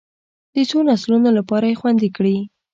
د څو نسلونو لپاره یې خوندي کړي.